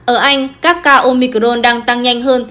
ở anh các ca omicron đang tăng nhanh hơn